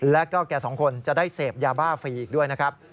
แล้วก็แกสองคนจะได้เสพยาบ้าฟรีอีกด้วยนะครับ